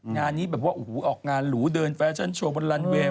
งานนี้แบบว่าโอ้โหออกงานหรูเดินแฟชั่นโชว์บนลันเวย์